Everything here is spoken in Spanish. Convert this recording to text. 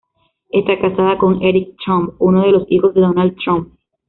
Está casada con Eric Trump, uno de los hijos de Donald Trump.